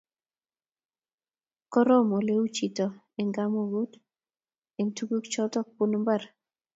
koroom ole u chito eng' kamagut eng' tuguk choto bunu mbar